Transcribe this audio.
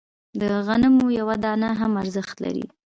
د غنمو یوه دانه هم ارزښت لري.